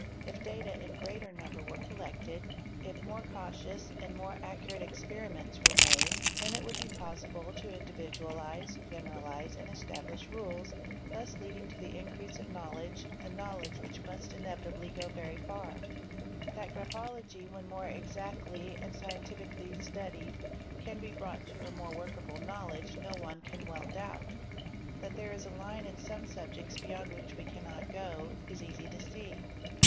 If data in greater number were collected, if more cautious and more ; accurate experiments were made, then it would be possible to individual _ ize, generalize, and establish rules, thus leading to the increase of knowledge, a knowledge which must inevitably go very far. That — when more exactly and scientifically studied can be brought _ to a more workable knowledge, no one can well doubt. That there is a line in some subjects beyond which we cannot go, is easy to see.